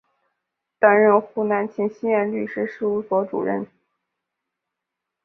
担任湖南秦希燕律师事务所主任。